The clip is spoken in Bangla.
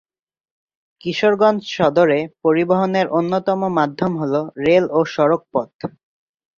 কিশোরগঞ্জ সদরে পরিবহনের অন্যতম মাধ্যম হল রেল ও সড়ক পথ।